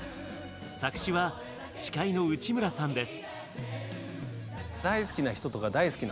作詞は司会の内村さんです。